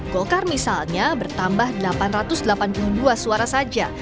golkar misalnya bertambah delapan ratus delapan puluh dua suara saja